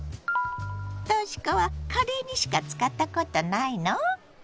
とし子はカレーにしか使ったことないの？